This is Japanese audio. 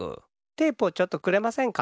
テープをちょっとくれませんか？